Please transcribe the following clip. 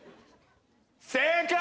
正解！